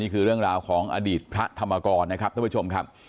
เรื่องราวของอดีตพระธรรมกรนะครับท่านผู้ชมครับ